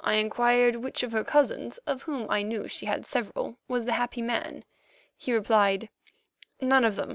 I inquired which of her cousins, of whom I knew she had several, was the happy man. He replied: "None of them.